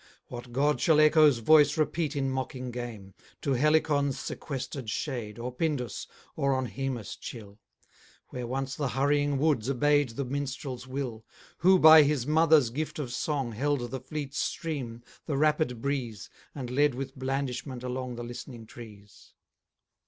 What god shall echo's voice repeat In mocking game To Helicon's sequester'd shade, Or Pindus, or on Haemus chill, Where once the hurrying woods obey'd The minstrel's will, Who, by his mother's gift of song, Held the fleet stream, the rapid breeze, And led with blandishment along The listening trees?